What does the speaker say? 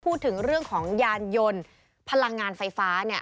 พูดถึงเรื่องของยานยนต์พลังงานไฟฟ้าเนี่ย